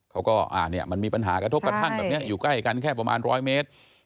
เขาก็มันมีปัญหากระทบกระทั่งแบบนี้อยู่ใกล้กันแค่ประมาณ๑๐๐เมตร